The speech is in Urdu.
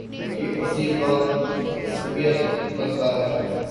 یہ اسی وقت عصبیت بنتا ہے۔